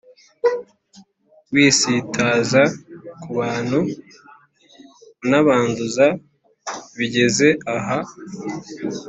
wisitaza kubantu unabanduza bigeze aha?